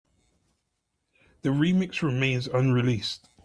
The remix remains unreleased.